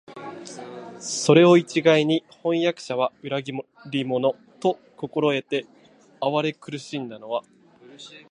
それを一概に「飜訳者は裏切り者」と心得て畏れ謹しんだのでは、